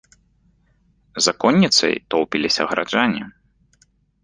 За конніцай тоўпіліся гараджане.